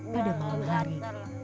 pada malam hari